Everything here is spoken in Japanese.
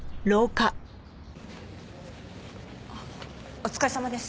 お疲れさまです。